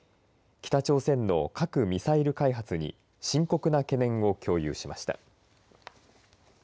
北朝鮮の核、ミサイル開発に深刻な懸念を共有しました。